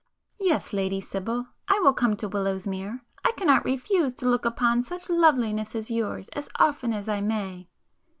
Yes, Lady Sibyl, I will come to Willowsmere; I cannot refuse to look upon such loveliness as yours as often as I may!"